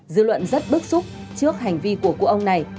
dư luận rất bức xúc trước hành vi của cụ ông này